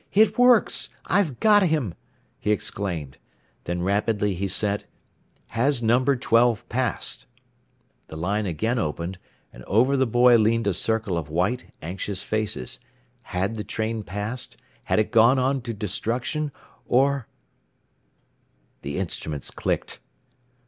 "It works! I've got him," he exclaimed. Then rapidly he sent: "Has Number 12 passed?" The line again opened, and over the boy leaned a circle of white, anxious faces. Had the train passed? Had it gone on to destruction? Or The instruments clicked.